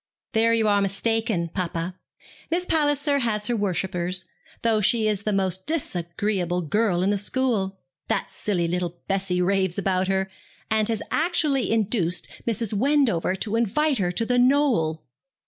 'There you are mistaken, papa. Miss Palliser has her worshippers, though she is the most disagreeable girl in the school. That silly little Bessie raves about her, and has actually induced Mrs. Wendover to invite her to The Knoll!'